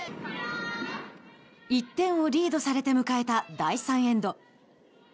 １点をリードされて迎えた第３エンド。